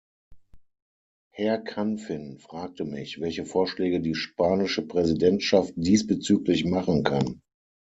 Herr Canfin fragte mich, welche Vorschläge die spanische Präsidentschaft diesbezüglich machen kann.